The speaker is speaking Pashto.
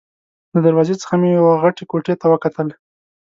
له دروازې څخه مې وه غټې کوټې ته وکتل.